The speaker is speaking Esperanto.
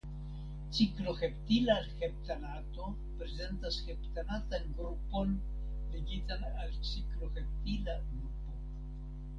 Cikloheptila heptanato prezentas heptanatan grupon ligitan al cikloheptila grupo.